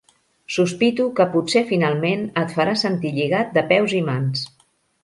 Sospito que potser finalment et farà sentir lligat de peus i mans.